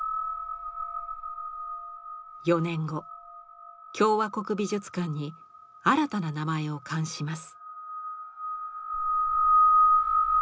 ４年後共和国美術館に新たな名前を冠します。